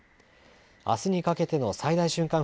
あすにかけての最大瞬間